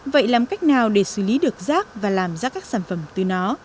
vậy làm cách nào để xử lý được rác và làm ra các sản phẩm từ nó